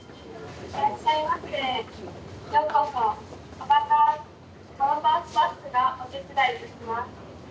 アバターアバタースタッフがお手伝いいたします」。